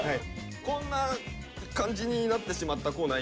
こんな感じになってしまったコーナー